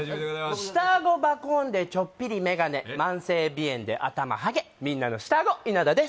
下あごバコーンでちょっぴりメガネ慢性鼻炎で頭ハゲみんなの下あご稲田です